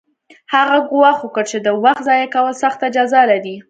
هغه ګواښ وکړ چې د وخت ضایع کول سخته جزا لري